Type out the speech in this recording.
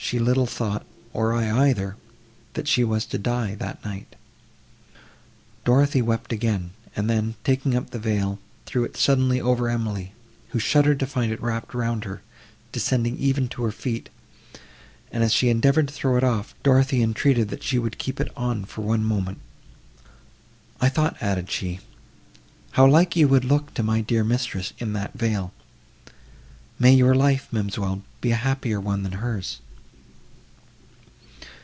she little thought, or I either, that she was to die that night." Dorothée wept again, and then, taking up the veil, threw it suddenly over Emily, who shuddered to find it wrapped round her, descending even to her feet, and, as she endeavoured to throw it off, Dorothée entreated that she would keep it on for one moment. "I thought," added she, "how like you would look to my dear mistress in that veil;—may your life, ma'amselle, be a happier one than hers!"